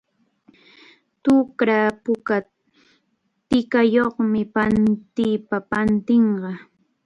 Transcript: Tʼuqra puka tʼikayuqmi pantipantiqa.